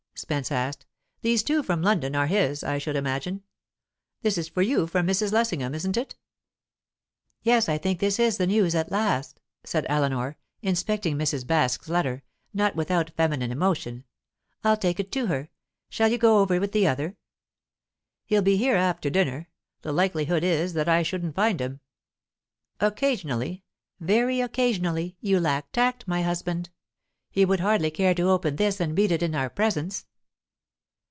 Spence asked. "These two from London are his, I should imagine. This for you is from Mrs. Lessingham, isn't it?" "Yes; I think this is the news, at last," said Eleanor, inspecting Mrs. Baske's letter, not without feminine emotion. "I'll take it to her. Shall you go over with the other?" "He'll be here after dinner; the likelihood is that I shouldn't find him." "Occasionally very occasionally you lack tact, my husband. He would hardly care to open this and read it in our presence."